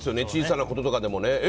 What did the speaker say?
小さなこととかでもね。